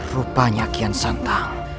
rupanya kian santang